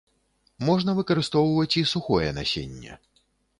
Можна выкарыстоўваць і сухое насенне.